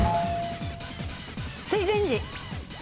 水前寺。